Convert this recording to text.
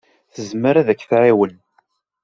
Tezmer ad k-tɛawen.